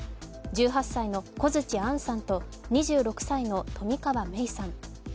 １８歳の小槌杏さんと２６歳の冨川芽生さん。